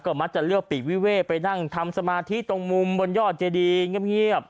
ก็มัดจะเลือกปีกวิเวศ์ไปนั่งทำสมาธิตรงมุมบนยอดเจดีย์ง่ายอ่ะ